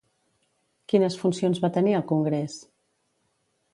Quines funcions va tenir al Congrés?